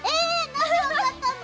何で分かったの？